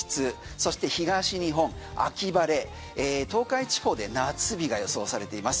そして東日本、秋晴れ東海地方で夏日が予想されています。